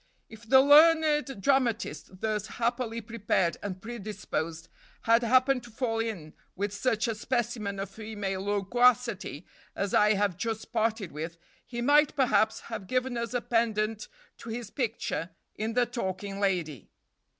If the learned dramatist, thus happily prepared and predisposed, had happened to fall in with such a specimen of female loquacity as I have just parted with, he might, perhaps, have given us a pendant to his picture in the talking lady.